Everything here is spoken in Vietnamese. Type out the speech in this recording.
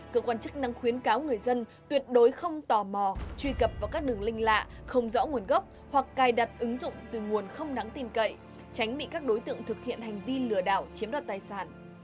cơ quan chức năng khuyến cáo người dân tuyệt đối không tò mò truy cập vào các đường linh lạ không rõ nguồn gốc hoặc cài đặt ứng dụng từ nguồn không đáng tin cậy tránh bị các đối tượng thực hiện hành vi lừa đảo chiếm đoạt tài sản